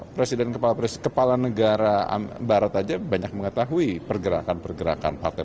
presiden kepala presiden kepala negara barat aja banyak mengetahui pergerakan pergerakan partai